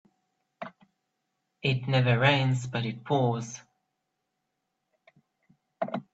It never rains but it pours